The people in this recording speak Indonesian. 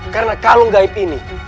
karena kalau gaib ini